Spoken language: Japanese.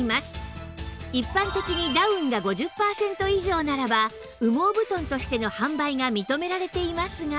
一般的にダウンが５０パーセント以上ならば羽毛布団としての販売が認められていますが